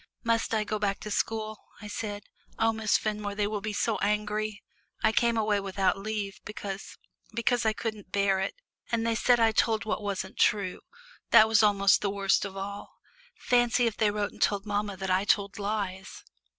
"Must I go back to school?" I said. "Oh, Miss Fenmore, they will be so angry I came away without leave, because because I couldn't bear it, and they said I told what wasn't true that was almost the worst of all. Fancy if they wrote and told mamma that I told lies."